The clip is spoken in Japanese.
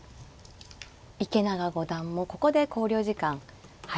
池永五段もここで考慮時間入りました。